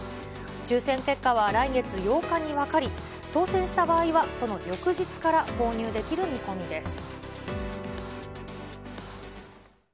抽せん結果は来月８日に分かり、当せんした場合は、その翌日から購入できる見込みです。